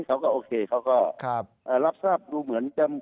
เขาก็โอเคเขาก็รับทราบดูเหมือนจะ